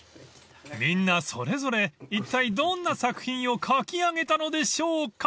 ［みんなそれぞれいったいどんな作品を書き上げたのでしょうか］